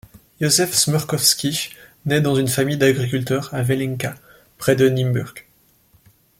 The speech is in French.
Josef Smrkovský naît dans une famille d'agriculteurs à Velenka, près de Nymburk.